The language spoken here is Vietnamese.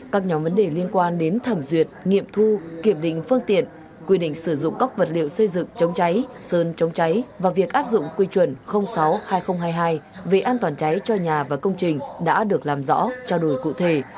các nhóm vấn đề liên quan đến thẩm duyệt nghiệm thu kiểm định phương tiện quy định sử dụng các vật liệu xây dựng chống cháy sơn chống cháy và việc áp dụng quy chuẩn sáu hai nghìn hai mươi hai về an toàn cháy cho nhà và công trình đã được làm rõ trao đổi cụ thể